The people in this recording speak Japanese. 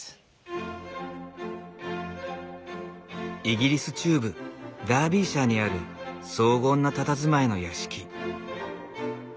イギリス中部ダービーシャーにある荘厳なたたずまいの屋敷。